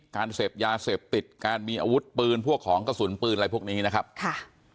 การเสพยาเสพติดการมีอาวุธปืนพวกของกระสุนปืนอะไรพวกนี้นะครับค่ะ